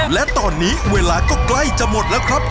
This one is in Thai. และตอนนี้เวลาก็ใกล้จะหมดแล้วครับ